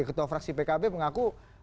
ketua fraksi pkb mengaku